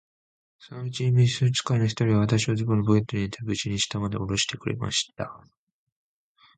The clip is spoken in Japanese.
そのうちに召使の一人が、私をズボンのポケットに入れて、無事に下までおろしてくれました。